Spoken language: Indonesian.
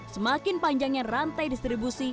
semakin panjangnya rantai distribusi